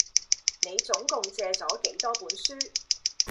你總共借咗幾多本書？